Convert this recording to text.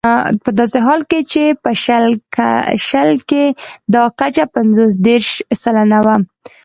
په داسې حال کې چې په شل کې دا کچه پنځه دېرش سلنه وه.